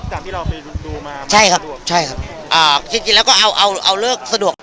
ตามที่เราไปดูมาใช่ครับใช่ครับอ่าจริงจริงแล้วก็เอาเอาเลิกสะดวก